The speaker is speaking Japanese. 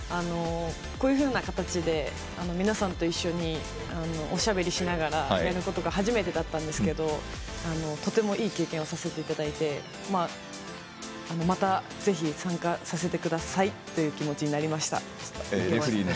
こういうふうな形で皆さんと一緒におしゃべりしながらやることが初めてだったんですけど、とてもいい経験をさせていただいてまた、ぜひ参加させてくださいという気持ちになりました。